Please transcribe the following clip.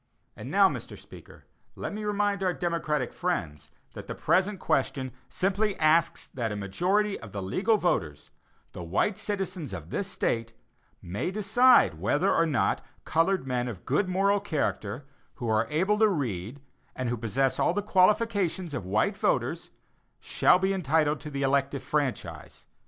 And now, Mr. Speaker, let me remind our democratic friends that the present question simply asks that a majority of the legal voters, the white citizens of this State, may decide whether or not colored men of good moral character, who are able to read and who possess all the qualifications of white voters, shall be entitled to the elective franchise.